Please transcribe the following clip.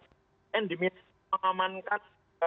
bssn diminta untuk mengamankan